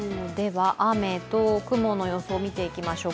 雨と雲の予想を見ていきましょう。